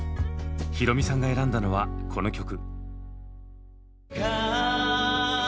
ヒロミさんが選んだのはこの曲。